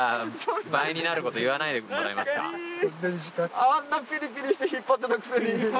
あんなピリピリして引っ張ってたくせに。